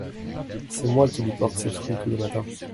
C'est moi qui lui porte ses fruits, tous les matins.